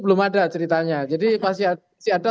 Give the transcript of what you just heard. belum ada ceritanya jadi masih ada